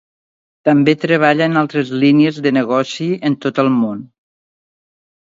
També treballa en altres línies de negoci en tot el món.